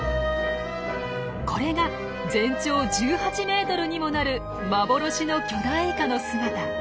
これが全長１８ｍにもなる幻の巨大イカの姿。